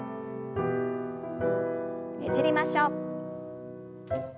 ねじりましょう。